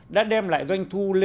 đã đem lại doanh thu của các quốc gia